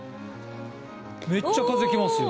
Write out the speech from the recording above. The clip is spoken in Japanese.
めっちゃ風来ますよ。